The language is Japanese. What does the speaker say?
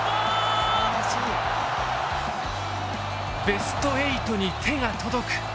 「ベスト８に手が届く」